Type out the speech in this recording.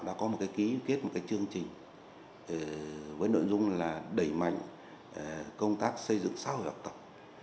đã có một cái ký kết một cái chương trình với nội dung là đẩy mạnh công tác xây dựng xã hội học tập